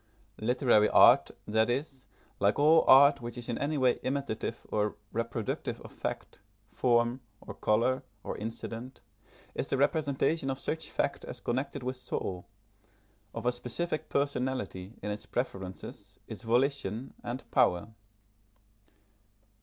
Literary art, that is, like all art which is in any way imitative or reproductive of fact form, or colour, or incident is the representation of such fact as connected with soul, of a specific personality, in its preferences, its volition and power.